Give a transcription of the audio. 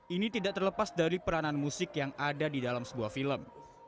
ini tidak terlepas dari peranan musik yang ada di dalam sebuah film